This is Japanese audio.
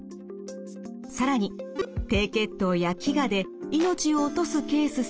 更に低血糖や飢餓で命を落とすケースさえあります。